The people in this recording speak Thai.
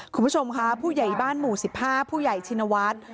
คุณผู้ชมค่ะผู้ใหญ่บ้านหมู่๑๕ผู้ใหญ่ชินวัฒน์